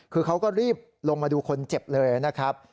คือเขาก็รีบลงมาดูคนเจ็บเลยนะครับ